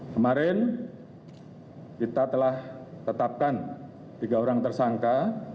kemarin kita telah tetapkan tiga orang tersangka